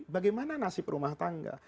bagaimana nasib rumah tangga